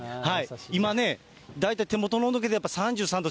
今ね、大体手元の温度計で、やっぱ３３度。